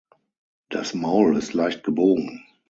Das Maul ist leicht gebogen.